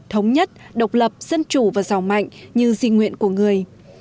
thống nhất độc lập dân chủ và giàu mạnh như di nguyện của người